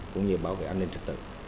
cũng như bảo vệ an ninh trực tự